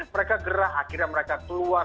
mereka gerak akhirnya mereka keluar